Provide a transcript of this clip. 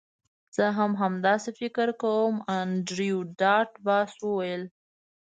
زه هم همداسې فکر کوم انډریو ډاټ باس وویل